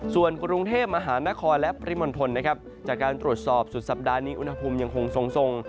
ส่วนกรุงเทพมหานครและปริมณฑลนะครับจากการตรวจสอบสุดสัปดาห์นี้อุณหภูมิยังคงทรง